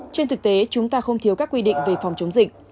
trên thực tế chúng ta không thiếu các quy định về phòng chống dịch